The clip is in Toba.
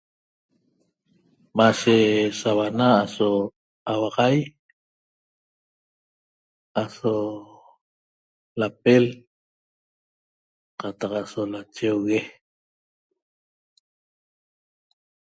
Mashe sauana aso auaxai aso lapel qataq aso lacheugue